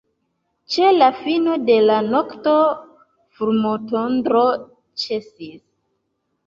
Ĉe la fino de la nokto fulmotondro ĉesis.